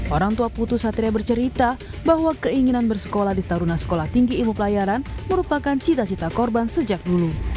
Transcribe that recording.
orang tua putri satria bercerita bahwa keinginan bersekolah di taruna sekolah tinggi ilmu pelayaran merupakan cita cita korban sejak dulu